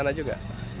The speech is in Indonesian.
di mana juga